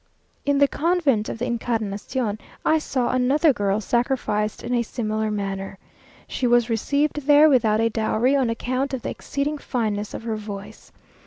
In the Convent of the Incarnation, I saw another girl sacrificed in a similar manner. She was received there without a dowry, on account of the exceeding fineness of her voice.